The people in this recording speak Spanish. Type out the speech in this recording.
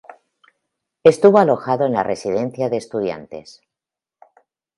Estuvo alojado en la Residencia de Estudiantes.